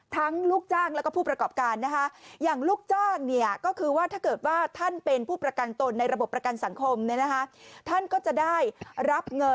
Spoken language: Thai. ทั้งลูกจ้างและผู้ประกอบการ